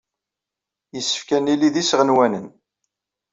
Yessefk ad nili d isɣenwanen.